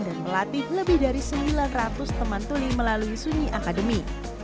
dan melatih lebih dari sembilan ratus teman tuli melalui sunyi academy